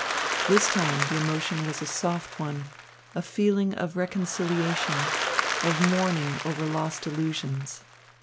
This time the emotion was a soft one, a feeling of reconciliation, of mourning over lost illusions.